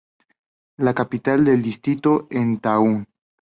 La capital del distrito era Thun.